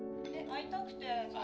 「会いたくて？」